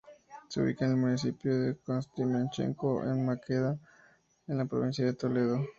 Se ubica en el municipio castellanomanchego de Maqueda, en la provincia de Toledo.